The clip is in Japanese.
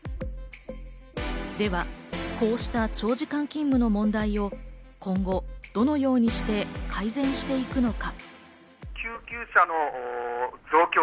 では、こうした長時間勤務の問題を今後、どのようにして改善していくのか？